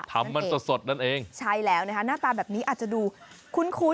ทำมันสดสดนั่นเองใช่แล้วนะคะหน้าตาแบบนี้อาจจะดูคุ้นคุ้น